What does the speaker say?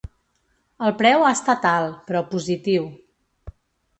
El preu ha estat alt, però positiu.